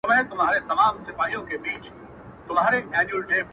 جنگ چي نه کوي، لو ډبره اخلي.